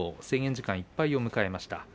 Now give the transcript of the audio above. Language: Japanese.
制限時間いっぱいを迎えました。